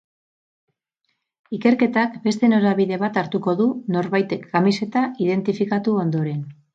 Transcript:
Ikerketak beste norabide bat hartuko du norbaitek kamiseta identifikatu ondoren.